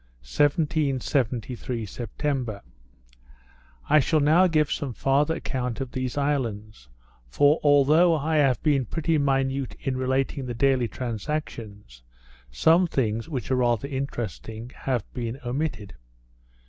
_ 1773 September I shall now give some farther account of these islands; for, although I have been pretty minute in relating the daily transactions, some things, which are rather interesting, have been omitted.